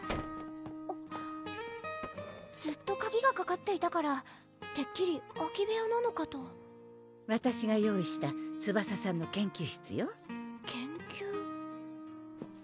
ずっと鍵がかかっていたからてっきり空き部屋なのかとわたしが用意したツバサさんの研究室よ研究？